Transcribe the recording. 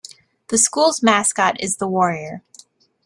The school's mascot is the Warrior.